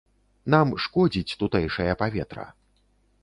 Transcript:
Нам шкодзіць тутэйшае паветра.